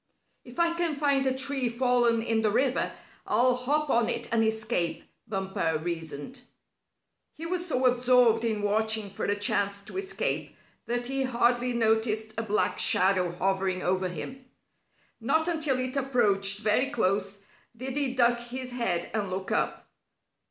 "If I can find a tree fallen in the river, I'll hop on it and escape," Bumper reasoned. He was so absorbed in watching for a chance to escape that he hardly noticed a black shadow hovering over him. Not until it approached very close did he duck his head and look up.